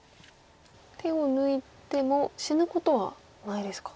手を抜いても死ぬことはないですか。